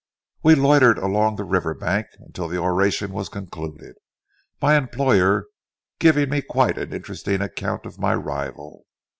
We loitered along the river bank until the oration was concluded, my employer giving me quite an interesting account of my rival.